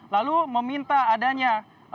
lalu meminta adanya